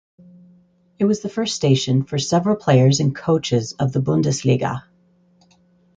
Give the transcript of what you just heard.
It was the first station for several players and coaches of the Bundesliga.